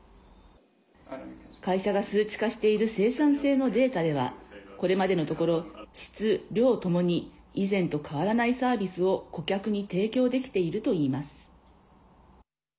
会社が数値化している生産性のデータではこれまでのところ質、量ともに以前と変わらないサービスを顧客に提供できているといいます。